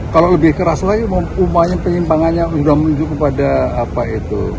kalau lebih keras lah ya umumannya penyimpangannya sudah menuju kepada apa itu